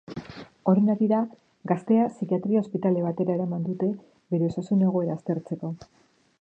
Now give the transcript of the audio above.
Horren harira, gaztea psikiatria ospitale batera eraman dute bere osasun egoera aztertzeko.